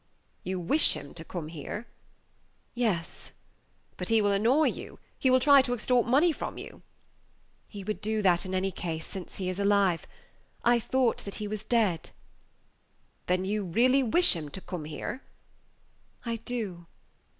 "You wish him to come here?" "Yes." "But he will annoy you; he will try to extort money from you." "He would do that in any case, since he is alive. I thought that he was dead." "Then you really wish him to come here?" "I do."